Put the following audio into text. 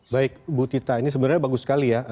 baik bu tita ini sebenarnya bagus sekali ya